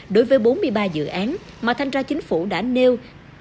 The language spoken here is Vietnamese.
đối với bốn mươi ba dự án mà thanh tra chính phủ đã nêu